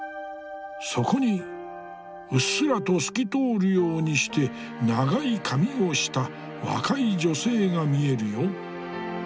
そこにうっすらと透き通るようにして長い髪をした若い女性が見えるよ。